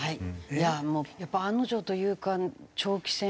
いやあもうやっぱり案の定というか長期戦。